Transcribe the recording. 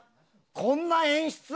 こんな演出？